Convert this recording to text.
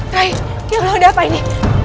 rai ya allah ada apa ini